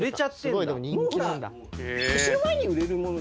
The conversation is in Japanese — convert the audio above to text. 年の前に売れる物。